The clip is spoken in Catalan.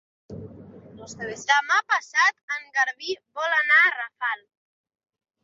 Demà passat en Garbí vol anar a Rafal.